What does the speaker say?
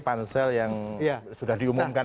pansel yang sudah diumumkan